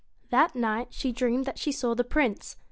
That night she dreamed that she saw the Prince.